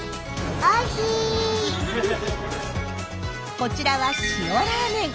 こちらは塩ラーメン。